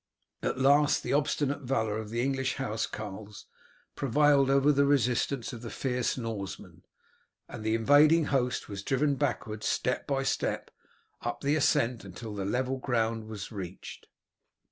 At last the obstinate valour of the English housecarls prevailed over the resistance of the fierce Norsemen, and the invading host was driven backward step by step up the ascent until the level ground was reached.